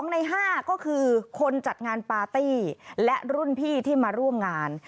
ใน๕ก็คือคนจัดงานปาร์ตี้และรุ่นพี่ที่มาร่วมงาน